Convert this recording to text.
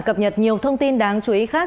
cập nhật nhiều thông tin đáng chú ý khác